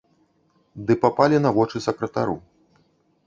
Ды папалі на вочы сакратару.